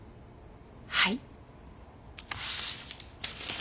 はい。